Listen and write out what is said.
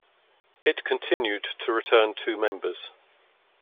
It continued to return two members.